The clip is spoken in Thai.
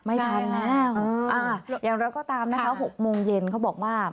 ไม่ทันแล้วอย่างเราก็ตามนะคะ๖โมงเย็นเขาบอกว่า